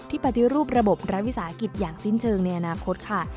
ปฏิรูประบบรัฐวิสาหกิจอย่างสิ้นเชิงในอนาคตค่ะ